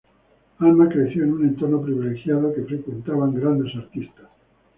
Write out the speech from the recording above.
Alma creció en un entorno privilegiado que frecuentaban grandes artistas.